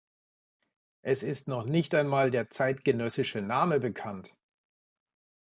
Es ist noch nicht einmal der zeitgenössische Name bekannt.